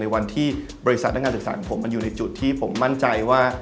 วันที่บริษัทนักงานศึกษาของผมมันอยู่ในจุดที่ผมมั่นใจว่า